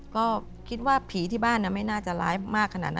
ก็คิดว่าผีที่บ้านไม่น่าจะร้ายมากขนาดนั้น